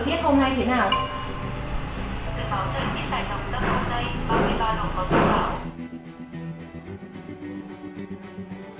thời tiết hôm nay thế nào